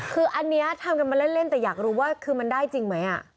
คืออันนี้ทำกันมาเล่นแต่อยากรู้ว่าคือมันได้จริงไหม